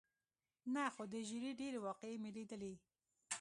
نه، خو د ژېړي ډېرې واقعې مې لیدلې.